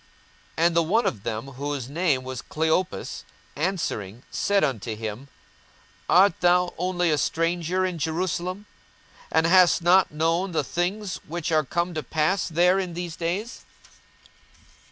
42:024:018 And the one of them, whose name was Cleopas, answering said unto him, Art thou only a stranger in Jerusalem, and hast not known the things which are come to pass there in these days?